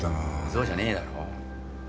そうじゃねえだろ。